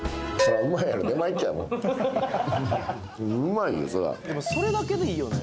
はっうまいよそらでもそれだけでいいよね